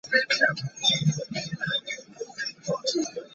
He's also known for writing and directing the cult horror film "Trick 'r Treat".